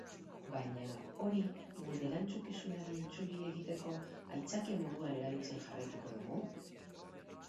Baina, hori gure erantzukizunari itzuri egiteko aitzakia moduan erabiltzen jarraituko dugu?